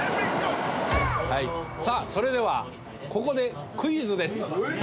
さあそれではここでクイズです。